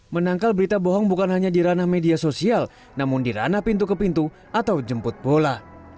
menangkal berita bohong bukan hanya di ranah media sosial namun di ranah pintu ke pintu atau jemput bola